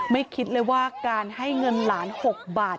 คิดเลยว่าการให้เงินหลาน๖บาท